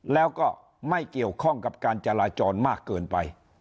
แล้วก็ไม่เกี่ยวข้องกับการจราจรมากเกินไป